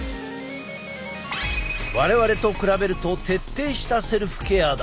我々と比べると徹底したセルフケアだ。